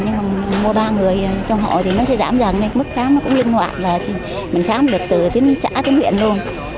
nhưng mà mua ba người trong hội thì nó sẽ giảm dần mức khám nó cũng linh hoạt là mình khám được từ tuyến xã tuyến huyện luôn